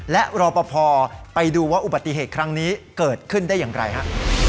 และรอปภไปดูว่าอุบัติเหตุครั้งนี้เกิดขึ้นได้อย่างไรฮะ